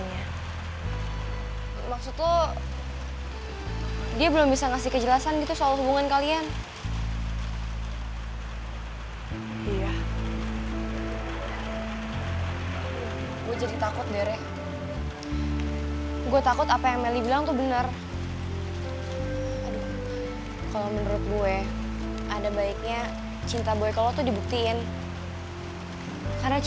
yaudah deh kalau emang itu udah jadi keputusan kamu